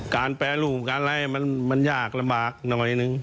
การแปรรูปการไล่มันยากระบากหน่อยหนึ่ง